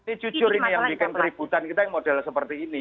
ini jujur ini yang bikin keributan kita yang model seperti ini